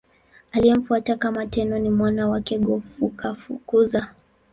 Aliyemfuata kama Tenno ni mwana wake Go-Fukakusa.